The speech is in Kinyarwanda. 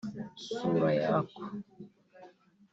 Sura Yako